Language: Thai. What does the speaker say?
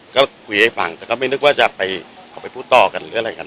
ก็คุยให้ฟังแต่ก็ไม่นึกว่าจะไปเอาไปพูดต่อกันหรืออะไรกัน